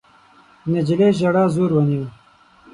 د نجلۍ ژړا زور ونيو.